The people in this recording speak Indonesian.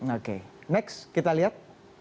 oke next kita lihat